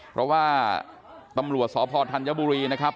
เพราะว่าตำรวจสพธัญบุรีนะครับ